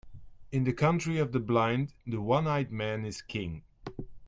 In the country of the blind, the one-eyed man is king.